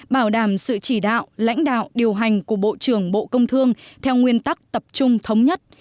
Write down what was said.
bảo đảm sự chỉ đạo lãnh đạo điều hành của bộ trưởng bộ công thương theo nguyên tắc tập trung thống nhất